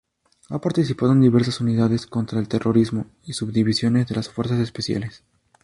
Ha participado en diversas unidades contra el terrorismo y subdivisiones de las fuerzas especiales.